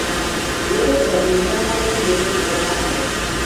Deere dina diinyaa hali dibirisi iraa ade.